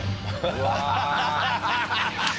うわ。